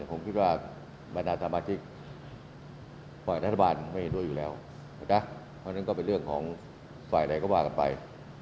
ผมคิดว่าบรรดาสมาชิกฝ่ายรัฐบาลไม่เห็นด้วยอยู่แล้วนะเพราะฉะนั้นก็เป็นเรื่องของฝ่ายใดก็ว่ากันไป